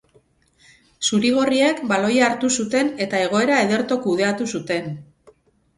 Zuri-gorriek baloia hartu zuten eta egoera ederto kudeatu zuten.